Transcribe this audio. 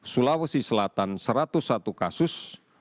sulawesi selatan satu ratus satu kasus